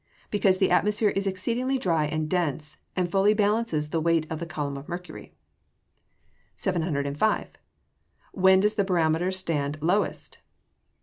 _ Because the atmosphere is exceedingly dry and dense, and fully balances the weight of the column of mercury. 705. _When does the barometer stand lowest?